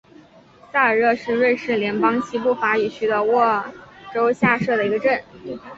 塞尔热是瑞士联邦西部法语区的沃州下设的一个镇。